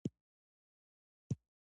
د منګلو او زرمت قبایلو هم ښورښ وکړ.